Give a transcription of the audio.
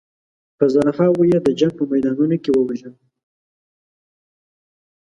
په زرهاوو یې د جنګ په میدانونو کې ووژل.